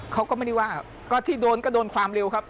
เขาก็ไม่ได้ว่าก็ที่โดนก็โดนความเร็วครับ